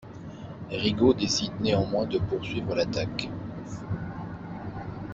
Rigaud décide néanmoins de poursuivre l'attaque.